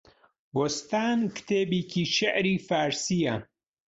بووستان، کتێبێکی شێعری فارسییە